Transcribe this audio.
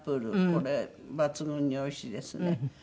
これ抜群においしいですね。